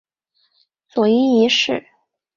佐伊一世。